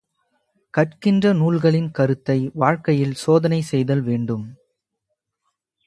கற்கின்ற நூல்களின் கருத்தை வாழ்க்கையில் சோதனை செய்தல் வேண்டும்.